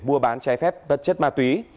mua bán trái phép đất chất ma túy